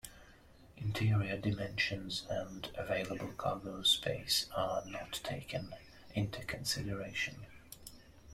Interior dimensions and available cargo space are not taken into consideration.